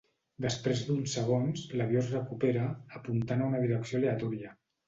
Després d'uns segons, l'avió es recupera, apuntant a una direcció aleatòria.